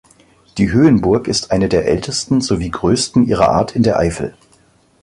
Die Höhenburg ist eine der ältesten sowie größten ihrer Art in der Eifel.